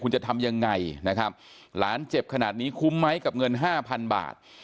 คุณจะทำยังไงนะครับหลานเจ็บขนาดนี้คุ้มไหมกับเงินห้าพันบาท